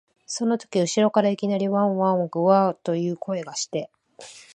そのとき後ろからいきなり、わん、わん、ぐゎあ、という声がして、